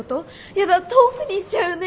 やだ遠くに行っちゃうね。